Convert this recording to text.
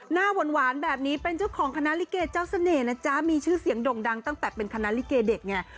หน้าหวานแบบนี้เป็นเจ้าของคณะลิเกเจ้าเสน่ห์นะจ๊ะมีชื่อเสียงด่งดังตั้งแต่เป็นคณะลิเกเด็กไง